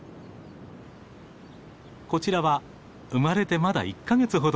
こちらは生まれてまだ１か月ほどの子供。